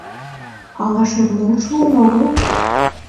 Ала шӧрлен шуын огыл?